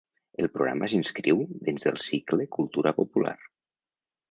El programa s’inscriu dins del cicle Cultura popular.